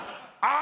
あ！